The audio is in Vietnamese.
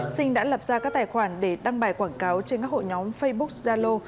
sinh đã lập ra các tài khoản để đăng bài quảng cáo trên các hội nhóm facebook zalo